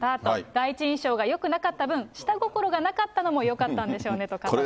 第一印象がよくなかった分、下心がなかったのもよかったんでしょうねと語っていました。